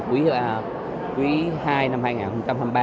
của quý ii năm hai nghìn hai mươi ba